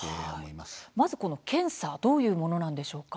まず検査どういうものなんでしょうか。